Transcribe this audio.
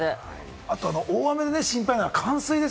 あと大雨で心配なのは冠水。